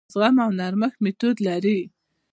د زغم او نرمښت میتود لري.